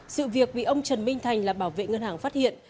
sự việc bị ông trần minh thành là bảo vệ ngân hàng phát hiện